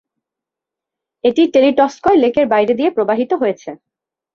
এটি টেলিটস্কয় লেকের বাইরে দিয়ে প্রবাহিত হয়েছে।